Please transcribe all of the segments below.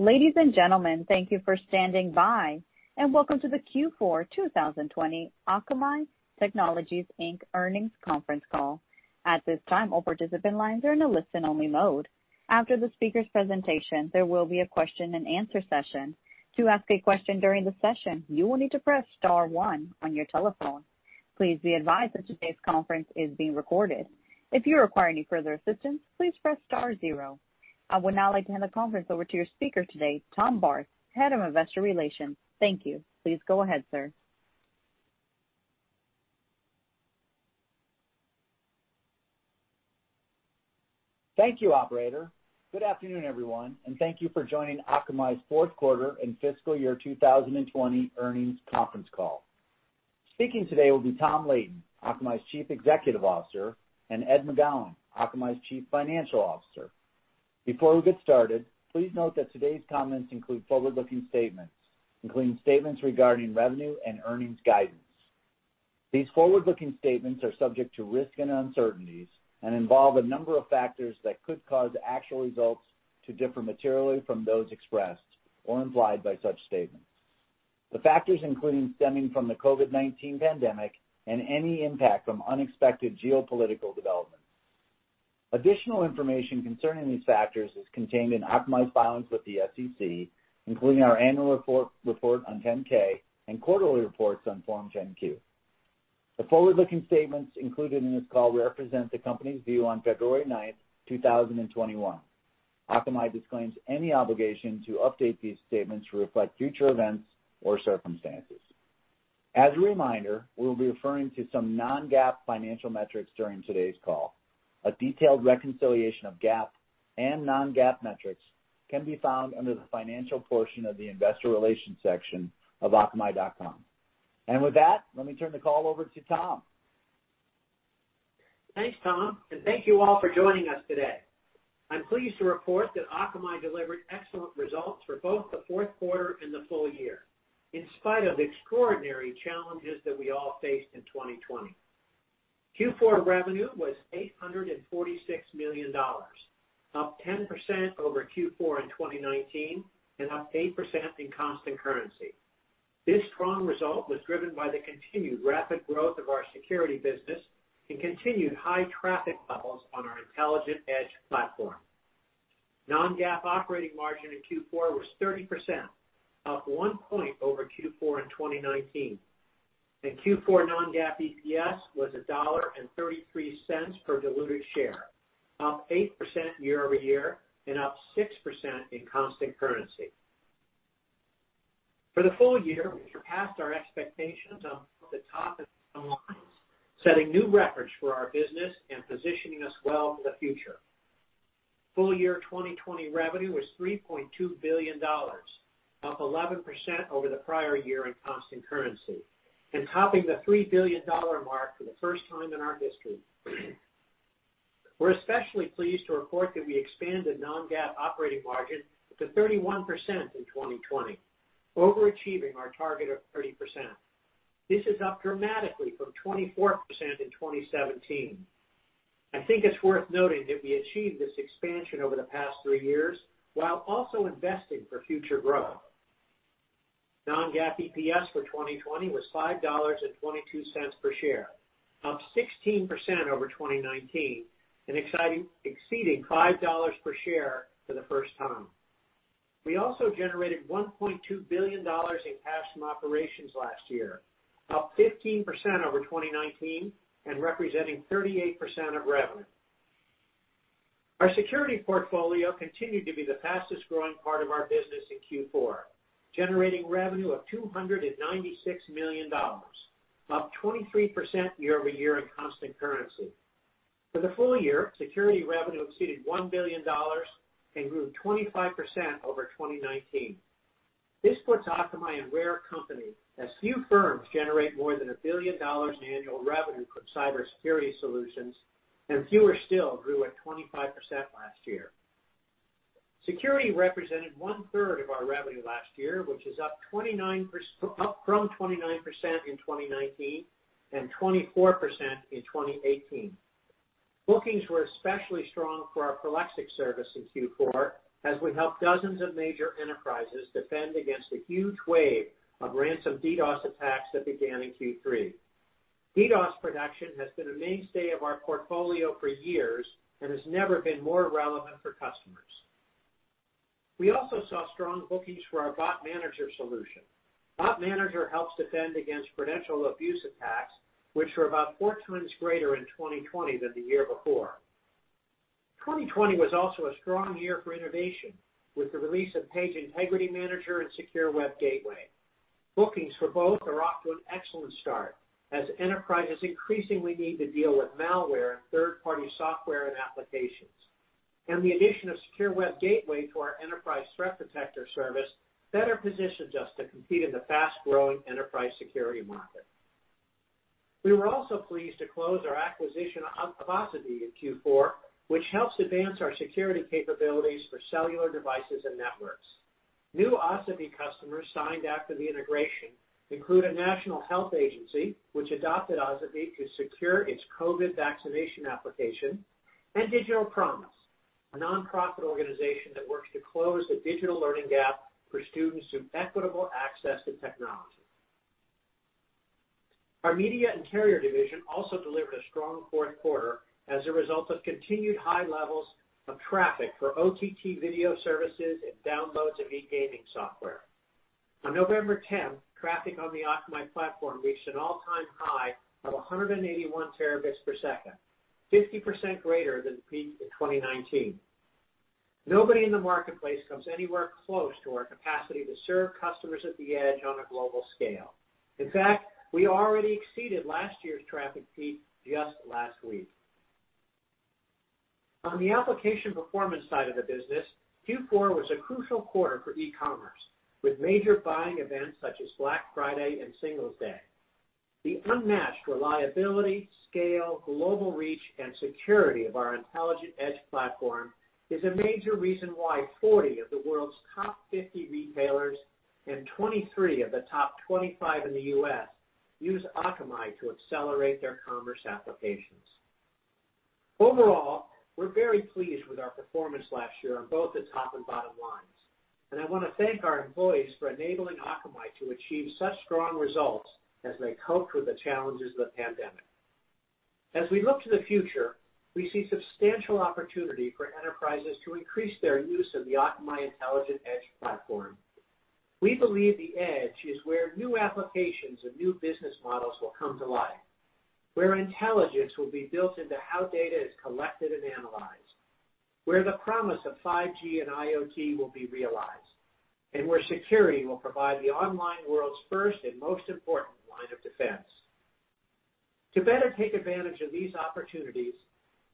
Ladies and gentlemen, thank you for standing by and welcome to the Q4 2020 Akamai Technologies, Inc. Earnings Conference Call. At this time all participant lines are in a listen-only mode. After the speakers presentation there will be a question-and-answer session. To ask a question during the session you will need to press star one on your telephone. Please be advised that today's conference is being recorded. If you're requiring any further assistance please press star zero. I would now like to hand the conference over to your speaker today, Tom Barth, Head of Investor Relations. Thank you. Please go ahead, sir. Thank you, operator. Good afternoon, everyone, and thank you for joining Akamai's fourth quarter and fiscal year 2020 earnings conference call. Speaking today will be Tom Leighton, Akamai's Chief Executive Officer, and Ed McGowan, Akamai's Chief Financial Officer. Before we get started, please note that today's comments include forward-looking statements, including statements regarding revenue and earnings guidance. These forward-looking statements are subject to risks and uncertainties and involve a number of factors that could cause actual results to differ materially from those expressed or implied by such statements. The factors including stemming from the COVID-19 pandemic and any impact from unexpected geopolitical developments. Additional information concerning these factors is contained in Akamai's filings with the SEC, including our annual report on 10-K and quarterly reports on Form 10-Q. The forward-looking statements included in this call represent the company's view on February ninth, 2021. Akamai disclaims any obligation to update these statements to reflect future events or circumstances. As a reminder, we will be referring to some non-GAAP financial metrics during today's call. A detailed reconciliation of GAAP and non-GAAP metrics can be found under the financial portion of the Investor Relations section of akamai.com. With that, let me turn the call over to Tom. Thanks, Tom, and thank you all for joining us today. I'm pleased to report that Akamai delivered excellent results for both the fourth quarter and the full year, in spite of extraordinary challenges that we all faced in 2020. Q4 revenue was $846 million, up 10% over Q4 in 2019 and up 8% in constant currency. This strong result was driven by the continued rapid growth of our security business and continued high traffic levels on our Intelligent Edge Platform. Non-GAAP operating margin in Q4 was 30%, up one point over Q4 in 2019, and Q4 non-GAAP EPS was $1.33 per diluted share, up 8% year-over-year and up 6% in constant currency. For the full year, we surpassed our expectations on the top and bottom lines, setting new records for our business and positioning us well for the future. Full year 2020 revenue was $3.2 billion, up 11% over the prior year in constant currency and topping the $3 billion mark for the first time in our history. We're especially pleased to report that we expanded non-GAAP operating margin to 31% in 2020, overachieving our target of 30%. This is up dramatically from 24% in 2017. I think it's worth noting that we achieved this expansion over the past three years while also investing for future growth. Non-GAAP EPS for 2020 was $5.22 per share, up 16% over 2019 and exceeding $5 per share for the first time. We also generated $1.2 billion in cash from operations last year, up 15% over 2019 and representing 38% of revenue. Our security portfolio continued to be the fastest-growing part of our business in Q4, generating revenue of $296 million, up 23% year-over-year in constant currency. For the full year, security revenue exceeded $1 billion and grew 25% over 2019. This puts Akamai a rare company, as few firms generate more than $1 billion in annual revenue from cybersecurity solutions, and fewer still grew at 25% last year. Security represented 1/3 of our revenue last year, which is up from 29% in 2019 and 24% in 2018. Bookings were especially strong for our Prolexic service in Q4, as we helped dozens of major enterprises defend against a huge wave of ransom DDoS attacks that began in Q3. DDoS protection has been a mainstay of our portfolio for years and has never been more relevant for customers. We also saw strong bookings for our Bot Manager solution. Bot Manager helps defend against credential abuse attacks, which were about 4x greater in 2020 than the year before. 2020 was also a strong year for innovation, with the release of Page Integrity Manager and Secure Web Gateway. Bookings for both are off to an excellent start, as enterprises increasingly need to deal with malware and third-party software and applications. The addition of Secure Web Gateway to our Enterprise Threat Protector service better positions us to compete in the fast-growing enterprise security market. We were also pleased to close our acquisition of Asavie in Q4, which helps advance our security capabilities for cellular devices and networks. New Asavie customers signed after the integration include a national health agency, which adopted Asavie to secure its COVID vaccination application. Digital Promise, a nonprofit organization that works to close the digital learning gap for students through equitable access to technology. Our Media and Carrier Division also delivered a strong fourth quarter as a result of continued high levels of traffic for OTT video services and downloads of e-gaming software. On November 10th, traffic on the Akamai platform reached an all-time high of 181 Tbps, 50% greater than the peak in 2019. Nobody in the marketplace comes anywhere close to our capacity to serve customers at the edge on a global scale. In fact, we already exceeded last year's traffic peak just last week. On the application performance side of the business, Q4 was a crucial quarter for e-commerce, with major buying events such as Black Friday and Singles Day. The unmatched reliability, scale, global reach, and security of our Intelligent Edge Platform is a major reason why 40 of the world's top 50 retailers and 23 of the top 25 in the U.S. use Akamai to accelerate their commerce applications. Overall, we're very pleased with our performance last year on both the top and bottom lines, and I want to thank our employees for enabling Akamai to achieve such strong results as they coped with the challenges of the pandemic. As we look to the future, we see substantial opportunity for enterprises to increase their use of the Akamai Intelligent Edge Platform. We believe the edge is where new applications and new business models will come to life, where intelligence will be built into how data is collected and analyzed, where the promise of 5G and IoT will be realized, and where security will provide the online world's first and most important line of defense. To better take advantage of these opportunities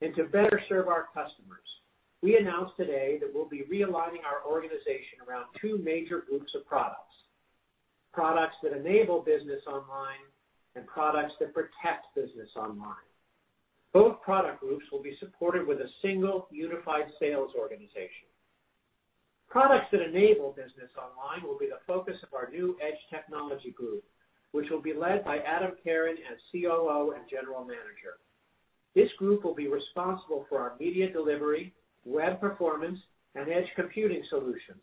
and to better serve our customers, we announce today that we'll be realigning our organization around two major groups of products. Products that enable business online and products that protect business online. Both product groups will be supported with a single unified sales organization. Products that enable business online will be the focus of our new Edge Technology Group, which will be led by Adam Karon as COO and General Manager. This group will be responsible for our media delivery, web performance, and edge computing solutions,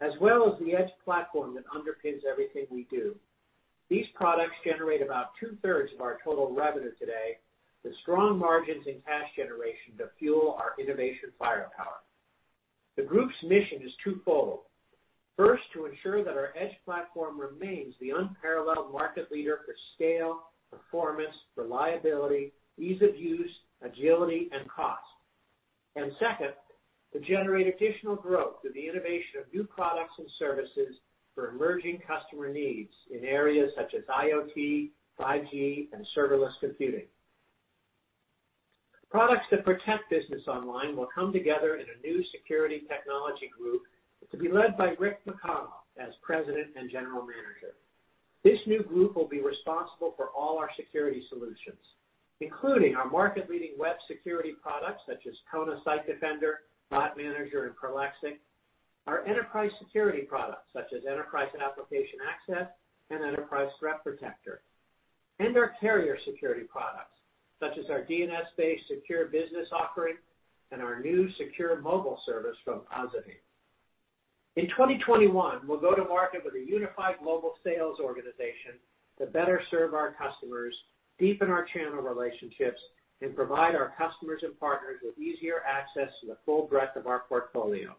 as well as the edge platform that underpins everything we do. These products generate about 2/3 of our total revenue today, with strong margins in cash generation to fuel our innovation firepower. The group's mission is twofold. First, to ensure that our edge platform remains the unparalleled market leader for scale, performance, reliability, ease of use, agility, and cost. Second, to generate additional growth through the innovation of new products and services for emerging customer needs in areas such as IoT, 5G, and serverless computing. Products that protect business online will come together in a new Security Technology Group to be led by Rick McConnell as President and General Manager. This new group will be responsible for all our security solutions, including our market-leading web security products such as Kona Site Defender, Bot Manager, and Prolexic, our enterprise security products such as Enterprise Application Access and Enterprise Threat Protector, and our carrier security products such as our DNS-based secure business offering and our new secure mobile service from Asavie. In 2021, we'll go to market with a unified global sales organization to better serve our customers, deepen our channel relationships, and provide our customers and partners with easier access to the full breadth of our portfolio.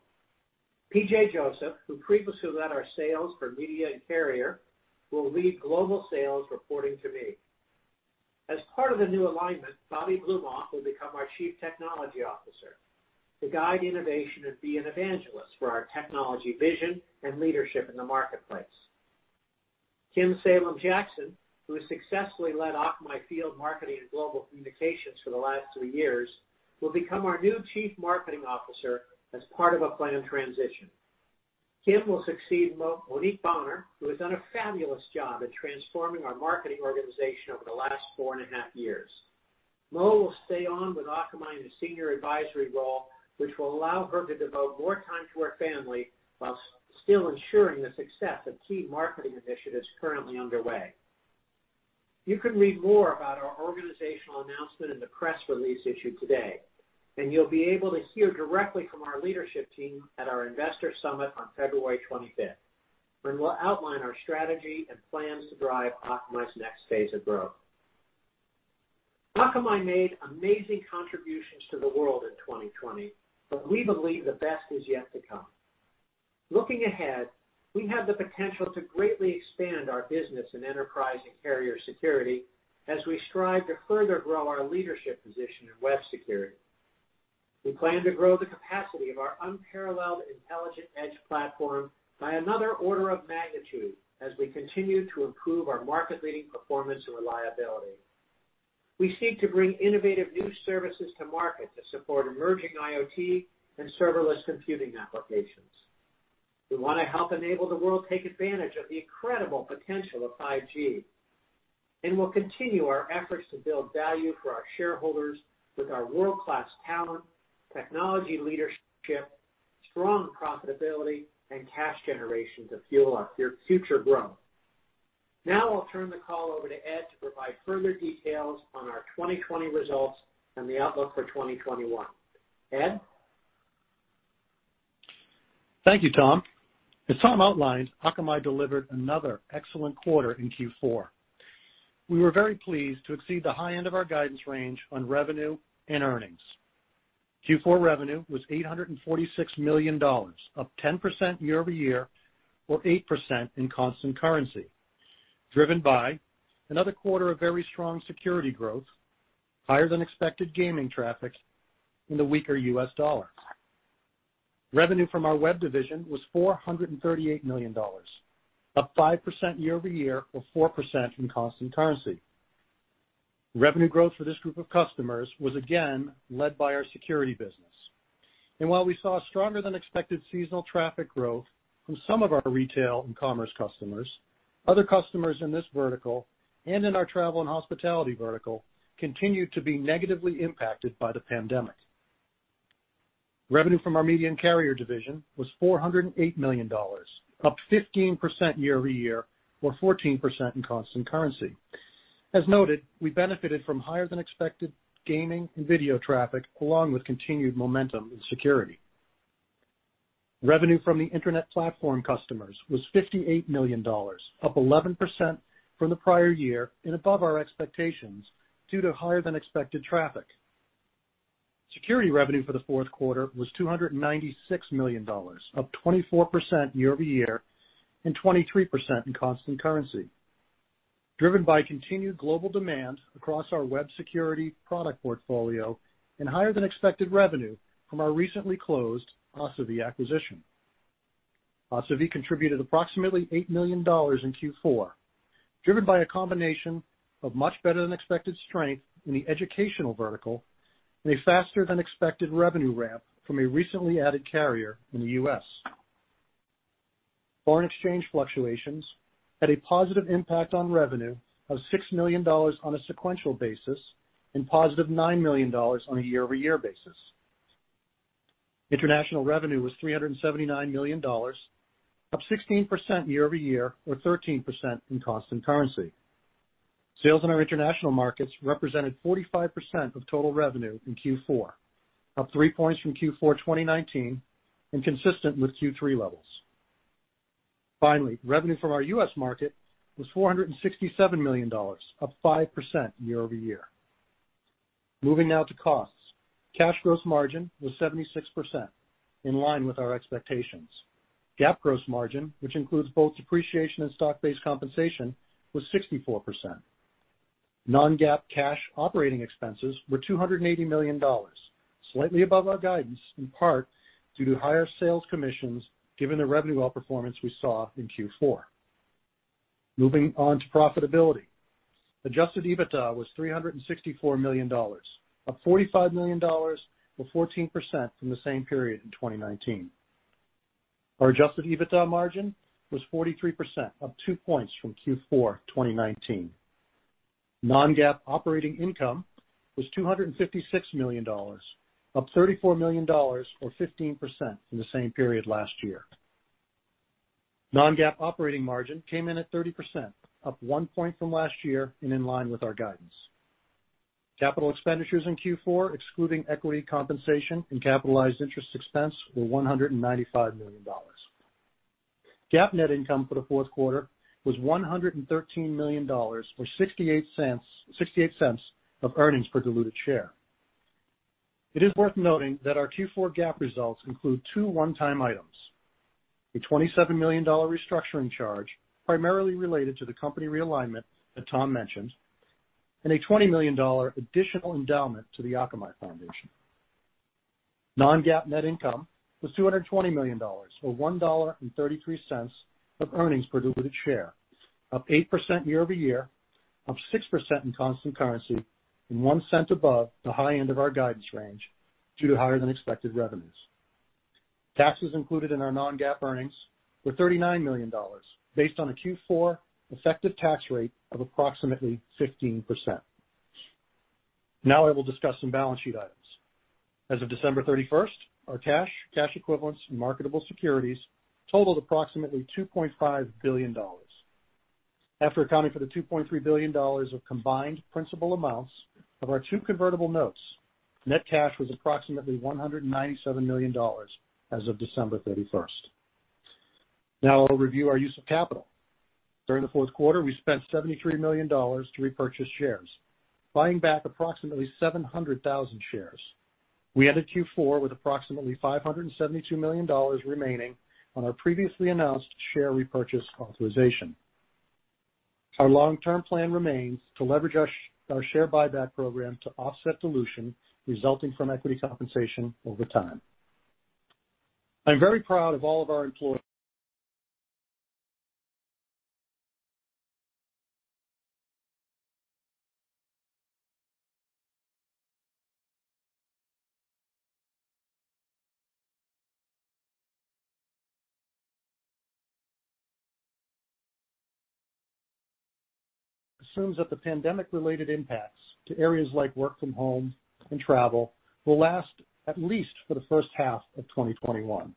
PJ Joseph, who previously led our sales for Media and Carrier, will lead global sales reporting to me. As part of the new alignment, Bobby Blumofe will become our Chief Technology Officer to guide innovation and be an evangelist for our technology vision and leadership in the marketplace. Kim Salem-Jackson, who has successfully led Akamai field marketing and global communications for the last three years, will become our new Chief Marketing Officer as part of a planned transition. Kim will succeed Monique Bonner, who has done a fabulous job at transforming our marketing organization over the last four and a half years. Mo will stay on with Akamai in a senior advisory role, which will allow her to devote more time to her family while still ensuring the success of key marketing initiatives currently underway. You'll be able to hear directly from our leadership team at our Investor Summit on February 25th, when we'll outline our strategy and plans to drive Akamai's next phase of growth. Akamai made amazing contributions to the world in 2020, but we believe the best is yet to come. Looking ahead, we have the potential to greatly expand our business in enterprise and carrier security as we strive to further grow our leadership position in web security. We plan to grow the capacity of our unparalleled Intelligent Edge Platform by another order of magnitude as we continue to improve our market-leading performance and reliability. We seek to bring innovative new services to market to support emerging IoT and serverless computing applications. We want to help enable the world take advantage of the incredible potential of 5G. We'll continue our efforts to build value for our shareholders with our world-class talent, technology leadership, strong profitability, and cash generation to fuel our future growth. I'll turn the call over to Ed to provide further details on our 2020 results and the outlook for 2021. Ed? Thank you, Tom. As Tom outlined, Akamai delivered another excellent quarter in Q4. We were very pleased to exceed the high end of our guidance range on revenue and earnings. Q4 revenue was $846 million, up 10% year-over-year or 8% in constant currency, driven by another quarter of very strong security growth, higher than expected gaming traffic, and the weaker U.S. dollar. Revenue from our Web Division was $438 million, up 5% year-over-year or 4% in constant currency. Revenue growth for this group of customers was again led by our security business. While we saw stronger than expected seasonal traffic growth from some of our retail and commerce customers, other customers in this vertical and in our travel and hospitality vertical continued to be negatively impacted by the pandemic. Revenue from our Media and Carrier Division was $408 million, up 15% year-over-year or 14% in constant currency. As noted, we benefited from higher than expected gaming and video traffic, along with continued momentum in security. Revenue from the internet platform customers was $58 million, up 11% from the prior year and above our expectations due to higher than expected traffic. Security revenue for the fourth quarter was $296 million, up 24% year-over-year and 23% in constant currency, driven by continued global demand across our web security product portfolio and higher than expected revenue from our recently closed Asavie acquisition. Asavie contributed approximately $8 million in Q4, driven by a combination of much better than expected strength in the educational vertical and a faster than expected revenue ramp from a recently added carrier in the U.S. Foreign exchange fluctuations had a positive impact on revenue of $6 million on a sequential basis and +$9 million on a year-over-year basis. International revenue was $379 million, up 16% year-over-year or 13% in constant currency. Sales in our international markets represented 45% of total revenue in Q4, up 3 points from Q4 2019 and consistent with Q3 levels. Finally, revenue from our U.S. market was $467 million, up 5% year-over-year. Moving now to costs. Cash gross margin was 76%, in line with our expectations. GAAP gross margin, which includes both depreciation and stock-based compensation, was 64%. Non-GAAP cash operating expenses were $280 million, slightly above our guidance, in part due to higher sales commissions given the revenue outperformance we saw in Q4. Moving on to profitability. Adjusted EBITDA was $364 million, up $45 million or 14% from the same period in 2019. Our adjusted EBITDA margin was 43%, up 2 points from Q4 2019. Non-GAAP operating income was $256 million, up $34 million or 15% from the same period last year. Non-GAAP operating margin came in at 30%, up 1 point from last year and in line with our guidance. Capital expenditures in Q4, excluding equity compensation and capitalized interest expense, were $195 million. GAAP net income for the fourth quarter was $113 million, or $0.68 of earnings per diluted share. It is worth noting that our Q4 GAAP results include two one-time items, a $27 million restructuring charge primarily related to the company realignment that Tom mentioned, and a $20 million additional endowment to the Akamai Foundation. Non-GAAP net income was $220 million, or $1.33 of earnings per diluted share, up 8% year-over-year, up 6% in constant currency, and $0.01 above the high end of our guidance range due to higher than expected revenues. Taxes included in our non-GAAP earnings were $39 million, based on a Q4 effective tax rate of approximately 15%. Now I will discuss some balance sheet items. As of December 31st, our cash equivalents, and marketable securities totaled approximately $2.5 billion. After accounting for the $2.3 billion of combined principal amounts of our two convertible notes, net cash was approximately $197 million as of December 31st. Now I'll review our use of capital. During the fourth quarter, we spent $73 million to repurchase shares, buying back approximately 700,000 shares. We ended Q4 with approximately $572 million remaining on our previously announced share repurchase authorization. Our long-term plan remains to leverage our share buyback program to offset dilution resulting from equity compensation over time. I'm very proud of all our employees Assumes that the pandemic-related impacts to areas like work from home and travel will last at least for the first half of 2021.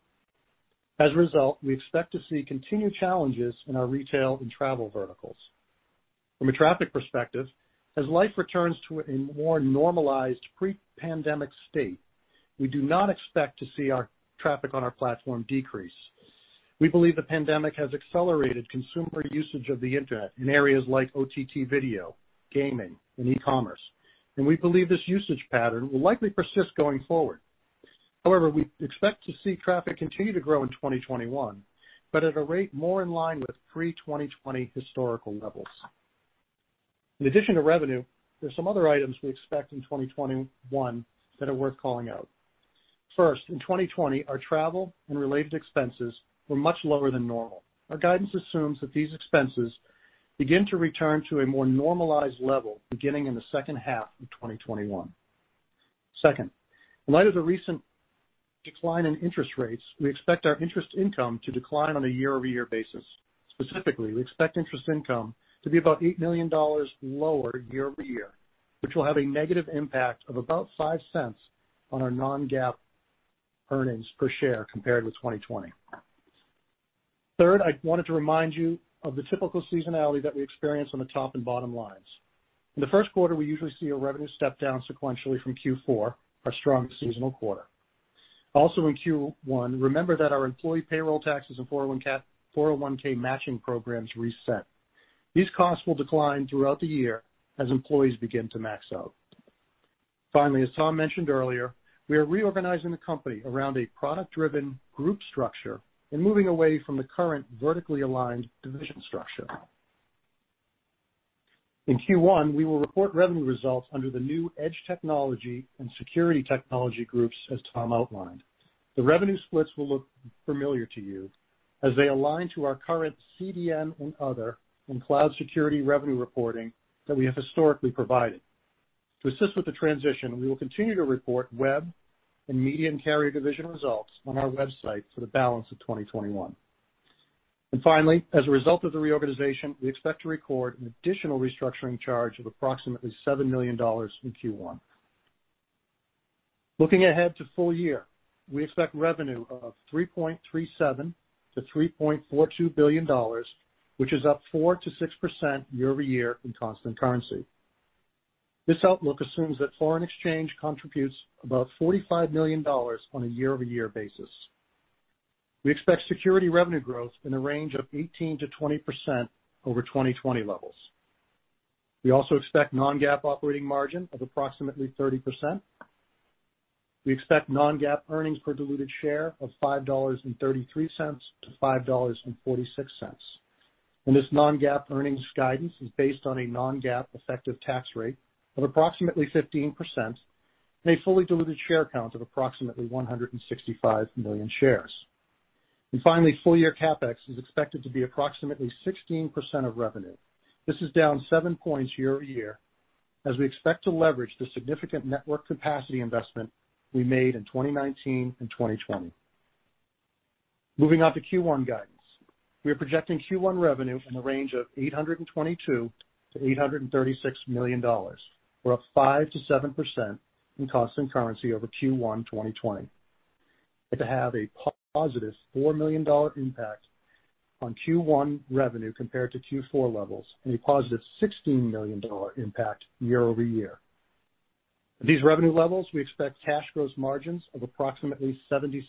We expect to see continued challenges in our retail and travel verticals. From a traffic perspective, as life returns to a more normalized pre-pandemic state, we do not expect to see our traffic on our platform decrease. We believe the pandemic has accelerated consumer usage of the internet in areas like OTT video, gaming, and e-commerce, and we believe this usage pattern will likely persist going forward. We expect to see traffic continue to grow in 2021, but at a rate more in line with pre-2020 historical levels. In addition to revenue, there are some other items we expect in 2021 that are worth calling out. First, in 2020, our travel and related expenses were much lower than normal. Our guidance assumes that these expenses begin to return to a more normalized level beginning in the second half of 2021. Second, in light of the recent decline in interest rates, we expect our interest income to decline on a year-over-year basis. Specifically, we expect interest income to be about $8 million lower year-over-year, which will have a negative impact of about $0.05 on our non-GAAP earnings per share compared with 2020. Third, I wanted to remind you of the typical seasonality that we experience on the top and bottom lines. In the first quarter, we usually see a revenue step down sequentially from Q4, our strongest seasonal quarter. Also in Q1, remember that our employee payroll taxes and 401(k) matching programs reset. These costs will decline throughout the year as employees begin to max out. As Tom mentioned earlier, we are reorganizing the company around a product-driven group structure and moving away from the current vertically aligned division structure. In Q1, we will report revenue results under the new Edge Technology and Security Technology groups, as Tom outlined. The revenue splits will look familiar to you as they align to our current CDN and other, and cloud security revenue reporting that we have historically provided. To assist with the transition, we will continue to report Web and Media and Carrier Division results on our website for the balance of 2021. Finally, as a result of the reorganization, we expect to record an additional restructuring charge of approximately $7 million in Q1. Looking ahead to full year, we expect revenue of $3.37 billion-$3.42 billion, which is up 4%-6% year-over-year in constant currency. This outlook assumes that foreign exchange contributes about $45 million on a year-over-year basis. We expect security revenue growth in the range of 18%-20% over 2020 levels. We also expect non-GAAP operating margin of approximately 30%. We expect non-GAAP earnings per diluted share of $5.33-$5.46. This non-GAAP earnings guidance is based on a non-GAAP effective tax rate of approximately 15% and a fully diluted share count of approximately 165 million shares. Finally, full-year CapEx is expected to be approximately 16% of revenue. This is down 7 points year-over-year as we expect to leverage the significant network capacity investment we made in 2019 and 2020. Moving on to Q1 guidance. We are projecting Q1 revenue in the range of $822 million-$836 million, or up 5%-7% in constant currency over Q1 2020. To have a +$4 million impact on Q1 revenue compared to Q4 levels, a +$16 million impact year-over-year. At these revenue levels, we expect cash gross margins of approximately 76%.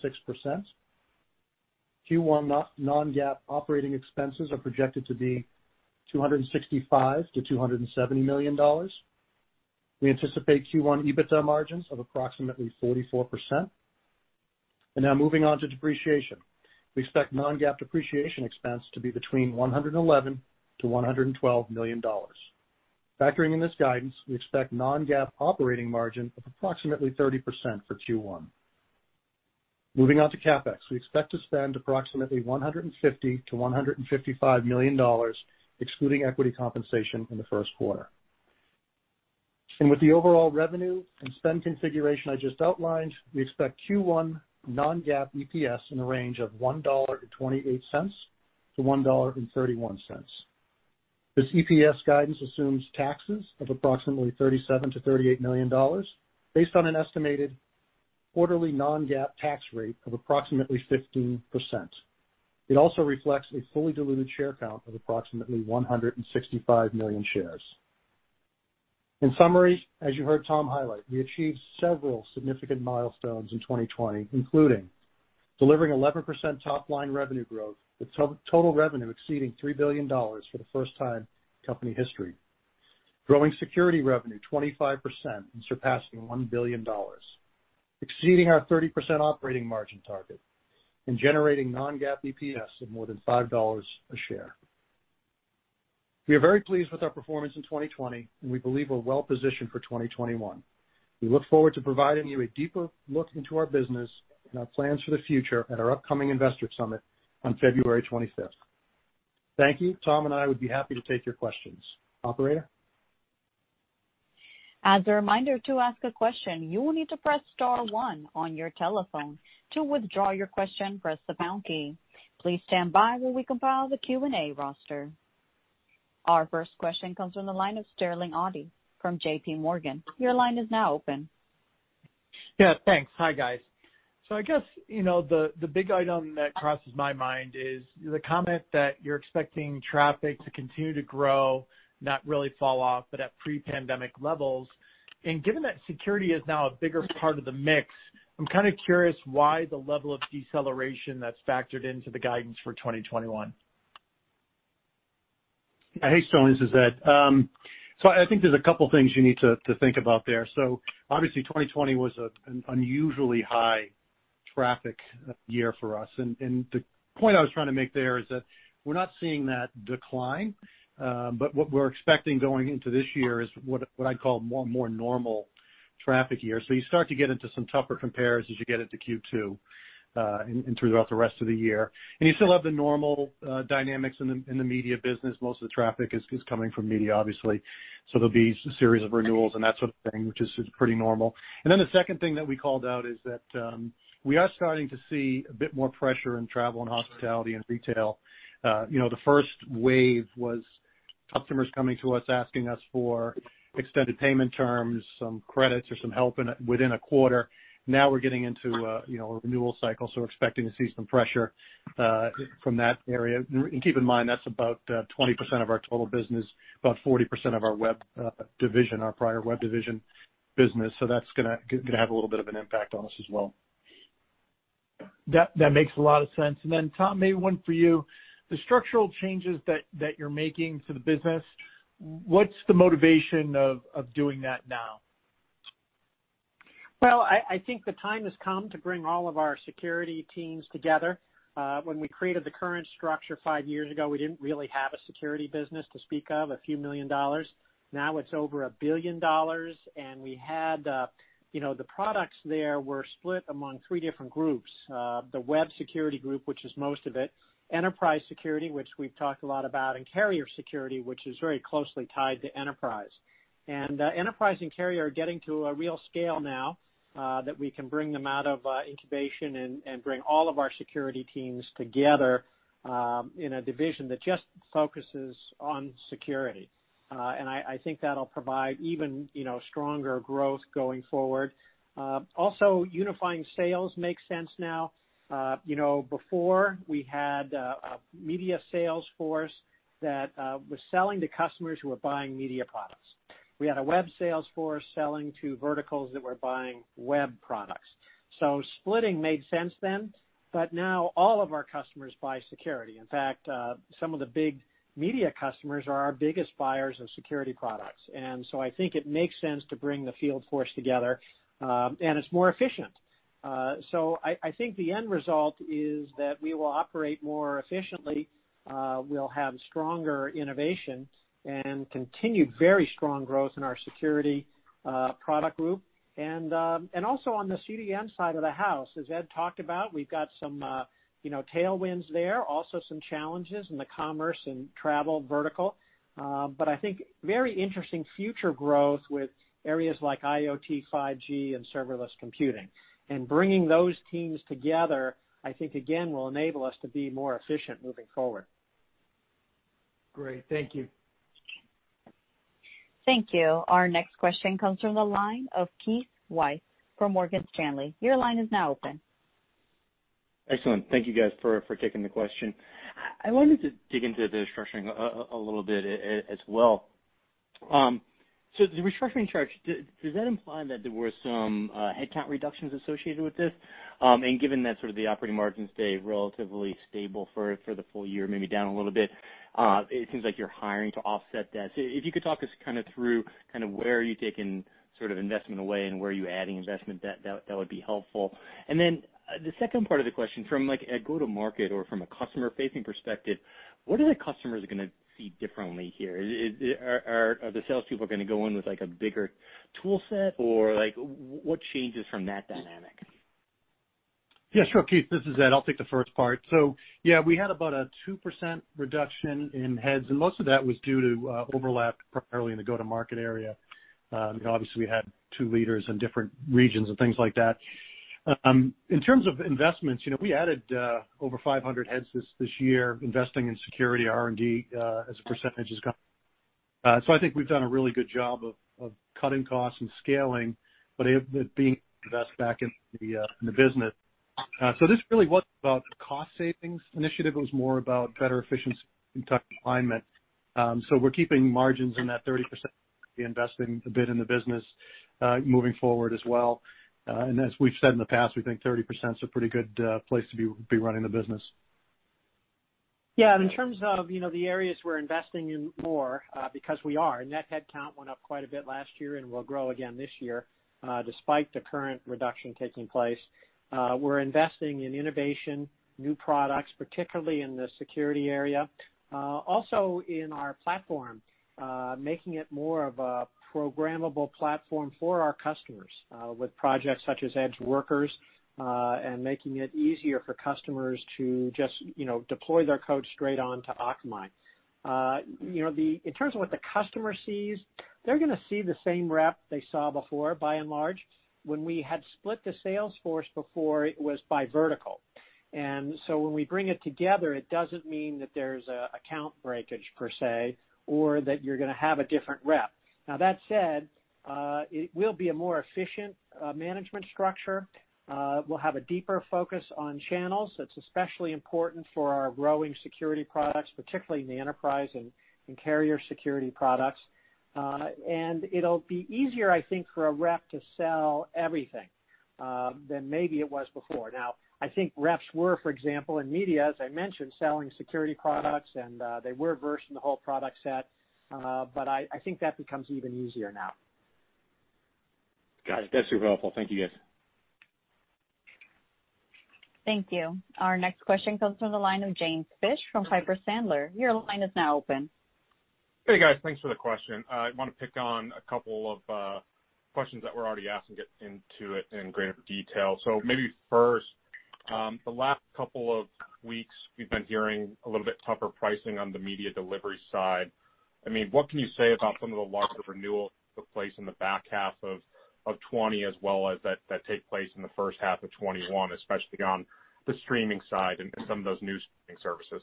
Q1 non-GAAP operating expenses are projected to be $265 million-$270 million. We anticipate Q1 EBITDA margins of approximately 44%. Now moving on to depreciation. We expect non-GAAP depreciation expense to be between $111 million-$112 million. Factoring in this guidance, we expect non-GAAP operating margin of approximately 30% for Q1. Moving on to CapEx. We expect to spend approximately $150 million-$155 million excluding equity compensation in the first quarter. With the overall revenue and spend configuration I just outlined, we expect Q1 non-GAAP EPS in the range of $1.28-$1.31. This EPS guidance assumes taxes of approximately $37 million-$38 million based on an estimated quarterly non-GAAP tax rate of approximately 15%. It also reflects a fully diluted share count of approximately 165 million shares. In summary, as you heard Tom highlight, we achieved several significant milestones in 2020, including delivering 11% top-line revenue growth with total revenue exceeding $3 billion for the first time in company history. Growing security revenue 25% and surpassing $1 billion, exceeding our 30% operating margin target, and generating non-GAAP EPS of more than $5 a share. We are very pleased with our performance in 2020, and we believe we're well-positioned for 2021. We look forward to providing you a deeper look into our business and our plans for the future at our upcoming Investor Summit on February 25th. Thank you. Tom and I would be happy to take your questions. Operator? As a reminder to ask a question you will need to press star one on your telephone. To withdraw your question press the pound key. Please stand by while we compile the Q&A roster. Our first question comes from the line of Sterling Auty from JPMorgan. Your line is now open. Yeah, thanks. Hi, guys. I guess, the big item that crosses my mind is the comment that you're expecting traffic to continue to grow, not really fall off, but at pre-pandemic levels. Given that security is now a bigger part of the mix, I'm kind of curious why the level of deceleration that's factored into the guidance for 2021? Hey, Sterling, this is Ed. I think there's a couple things you need to think about there. Obviously 2020 was an unusually high traffic year for us, and the point I was trying to make there is that we're not seeing that decline. What we're expecting going into this year is what I'd call a more normal traffic year. You start to get into some tougher compares as you get into Q2, and throughout the rest of the year. You still have the normal dynamics in the media business. Most of the traffic is coming from media, obviously. There'll be a series of renewals and that sort of thing, which is pretty normal. The second thing that we called out is that we are starting to see a bit more pressure in travel and hospitality and retail. The first wave was customers coming to us, asking us for extended payment terms, some credits or some help within a quarter. We're getting into a renewal cycle, so we're expecting to see some pressure from that area. Keep in mind, that's about 20% of our total business, about 40% of our Web Division, our prior Web Division business. That's going to have a little bit of an impact on us as well. That makes a lot of sense. Then Tom, maybe one for you. The structural changes that you're making to the business, what's the motivation of doing that now? Well, I think the time has come to bring all of our security teams together. When we created the current structure five years ago, we didn't really have a security business to speak of, a few million dollars. Now it's over $1 billion, and the products there were split among three different groups. The Web Security group, which is most of it, Enterprise Security, which we've talked a lot about, and Carrier Security, which is very closely tied to Enterprise. Enterprise and Carrier are getting to a real scale now, that we can bring them out of incubation and bring all of our security teams together, in a division that just focuses on security. I think that'll provide even stronger growth going forward. Also unifying sales makes sense now. Before we had a media sales force that was selling to customers who were buying media products. We had a web sales force selling to verticals that were buying web products. Splitting made sense then, but now all of our customers buy security. In fact, some of the big media customers are our biggest buyers of security products. I think it makes sense to bring the field force together, and it's more efficient. I think the end result is that we will operate more efficiently. We'll have stronger innovation and continued very strong growth in our security product group. Also on the CDN side of the house, as Ed talked about, we've got some tailwinds there, also some challenges in the commerce and travel vertical. I think very interesting future growth with areas like IoT, 5G, and serverless computing. Bringing those teams together, I think again, will enable us to be more efficient moving forward. Great. Thank you. Thank you. Our next question comes from the line of Keith Weiss from Morgan Stanley. Your line is now open. Excellent. Thank you guys for taking the question. I wanted to dig into the restructuring a little bit as well. The restructuring charge, does that imply that there were some headcount reductions associated with this? Given that sort of the operating margins stay relatively stable for the full year, maybe down a little bit, it seems like you're hiring to offset that. If you could talk us through where are you taking sort of investment away and where are you adding investment, that would be helpful. Then the second part of the question, from like a go-to-market or from a customer-facing perspective, what are the customers going to see differently here? Are the salespeople going to go in with a bigger tool set, or what changes from that dynamic? Yeah, sure. Keith, this is Ed. I'll take the first part. Yeah, we had about a 2% reduction in heads, and most of that was due to overlap primarily in the go-to-market area. Obviously we had two leaders in different regions and things like that. In terms of investments, we added over 500 heads this year investing in security R&D, as a percentage has gone. I think we've done a really good job of cutting costs and scaling, but being the best back in the business. This really wasn't about cost savings initiative. It was more about better efficiency and alignment. We're keeping margins in that 30% investing a bit in the business, moving forward as well. As we've said in the past, we think 30% is a pretty good place to be running the business. Yeah. In terms of the areas we're investing in more, because we are. Net headcount went up quite a bit last year and will grow again this year, despite the current reduction taking place. We're investing in innovation, new products, particularly in the security area. Also in our platform, making it more of a programmable platform for our customers, with projects such as EdgeWorkers, and making it easier for customers to just deploy their code straight onto Akamai. In terms of what the customer sees They're going to see the same rep they saw before, by and large. When we had split the sales force before, it was by vertical. When we bring it together, it doesn't mean that there's a account breakage per se, or that you're going to have a different rep. Now, that said, it will be a more efficient management structure. We'll have a deeper focus on channels. That's especially important for our growing security products, particularly in the enterprise and carrier security products. It'll be easier, I think, for a rep to sell everything, than maybe it was before. Now, I think reps were, for example, in media, as I mentioned, selling security products, and they were versed in the whole product set. I think that becomes even easier now. Got it. That's super helpful. Thank you. Thank you. Our next question comes from the line of James Fish from Piper Sandler. Your line is now open. Hey, guys. Thanks for the question. I want to pick on a couple of questions that were already asked and get into it in greater detail. Maybe first, the last couple of weeks we've been hearing a little bit tougher pricing on the media delivery side. What can you say about some of the larger renewals that took place in the back half of 2020, as well as that take place in the first half of 2021, especially on the streaming side and some of those new streaming services?